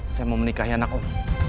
saya mau menikahi anak om